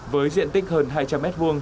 với diện tích hơn hai trăm linh m hai